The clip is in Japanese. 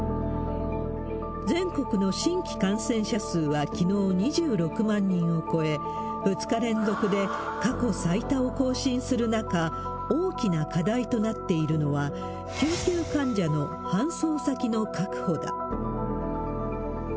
全国の新規感染者数は、きのう２６万人を超え、２日連続で過去最多を更新する中、大きな課題となっているのは、救急患者の搬送先の確保だ。